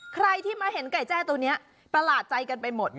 ใครที่มาเห็นไก่แจ้ตัวนี้ประหลาดใจกันไปหมด